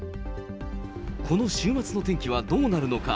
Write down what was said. この週末の天気はどうなるのか。